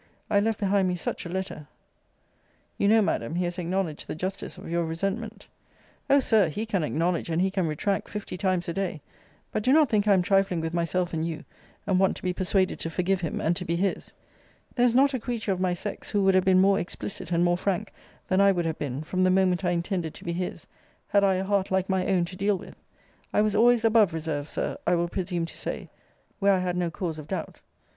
I left behind me such a letter You know, Madam, he has acknowledged the justice of your resentment O Sir, he can acknowledge, and he can retract, fifty times a day but do not think I am trifling with myself and you, and want to be persuaded to forgive him, and to be his. There is not a creature of my sex, who would have been more explicit, and more frank, than I would have been, from the moment I intended to be his, had I a heart like my own to deal with. I was always above reserve, Sir, I will presume to say, where I had no cause of doubt.